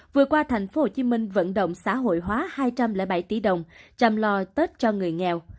vừa qua thành phố hồ chí minh vận động xã hội hóa hai trăm linh bảy tỷ đồng chăm lo tết cho người nghèo